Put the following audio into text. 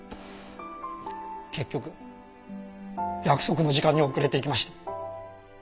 結局約束の時間に遅れて行きました。